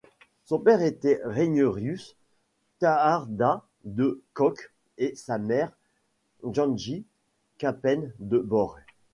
Son père était Regnerius Tjaarda de Cock et sa mère Jantje Kappen de Boer.